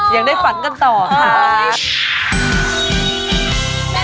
ยังได้ฝันกันต่อครับ